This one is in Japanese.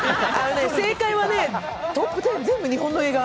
正解はね、トップ１０全部、日本の映画。